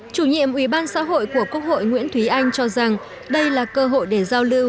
chủ nhiệm ủy ban xã hội của quốc hội nguyễn thúy anh cho rằng đây là cơ hội để giao lưu